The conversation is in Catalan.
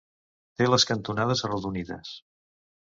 Té les cantonades arrodonides.